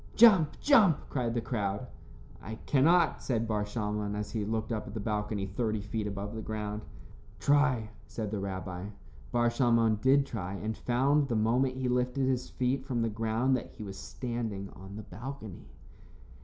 "Jump, jump," cried the crowd. "I cannot," said Bar Shalmon, as he looked up at the balcony thirty feet above the ground. "Try," said the rabbi. Bar Shalmon did try, and found, the moment he lifted his feet from the ground, that he was standing on the balcony.